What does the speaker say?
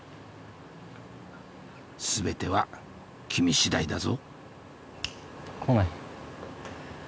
全ては君次第だぞ